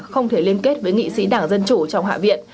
không thể liên kết với nghị sĩ đảng dân chủ trong hạ viện